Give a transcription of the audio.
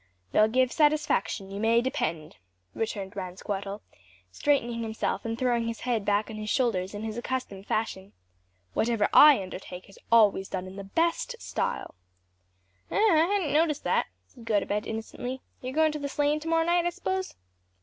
"They'll give satisfaction, you may depend," returned Ransquattle, straightening himself and throwing his head back on his shoulders in his accustomed fashion; "whatever I undertake is always done in the best style." "Eh! I hadn't noticed that," said Gotobed, innocently. "You're goin' to the sleighin' to morrow night, I s'pose?"